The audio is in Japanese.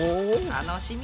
楽しみ。